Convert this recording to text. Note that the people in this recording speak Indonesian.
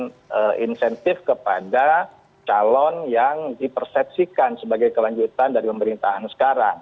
memberikan insentif kepada calon yang dipersepsikan sebagai kelanjutan dari pemerintahan sekarang